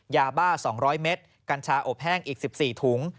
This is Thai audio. ยาบ้า๒๐๐เมตรกัญชาอบแห้งอีก๑๔ถุง